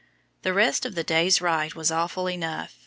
The rest of the day's ride was awful enough.